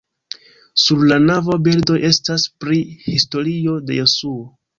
Sur la navo bildoj estas pri historio de Jesuo.